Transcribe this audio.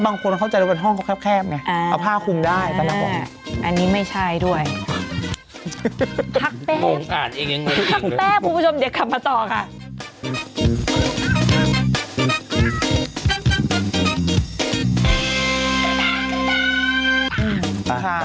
พักแป๊บพักแป๊บคุณผู้ชมเด็กขับมาต่อค่ะ